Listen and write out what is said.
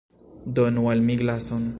Donu al mi glason.